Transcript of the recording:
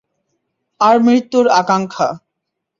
আর মৃত্যুর আকাঙ্ক্ষা।